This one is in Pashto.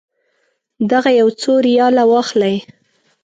دغه یو څو ریاله واخلئ.